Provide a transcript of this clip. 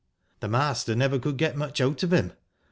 The master never could get much out of him.